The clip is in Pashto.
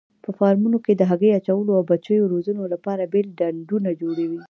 په فارمونو کې د هګۍ اچولو او بچیو روزنې لپاره بېل ډنډونه جوړوي.